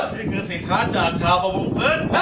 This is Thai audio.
นี่คือสินค้าจากชาวประมงพื้น